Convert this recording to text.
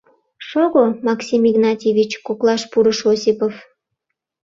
— Шого, Максим Игнатьевич, — коклаш пурыш Осипов.